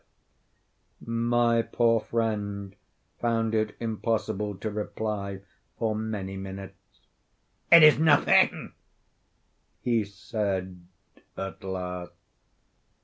My poor friend found it impossible to reply for many minutes. "It is nothing," he said, at last.